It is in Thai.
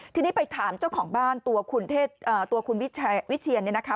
ทีนี้ไปถามเจ้าของบ้านตัวคุณวิเชียนเนี่ยนะคะ